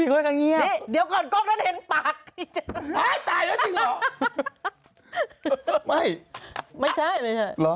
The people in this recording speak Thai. เกรทะมีแฟนมาเปิดตัวให้ท่าน